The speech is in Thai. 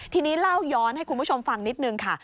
ทีนี้เล่าย้อนให้คุณผู้ชมฟังนิดนึงค่ะ